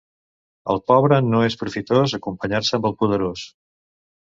Al pobre no és profitós acompanyar-se amb el poderós.